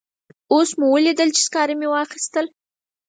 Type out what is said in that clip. اوس مو ولیدل چې سکاره مې واخیستل.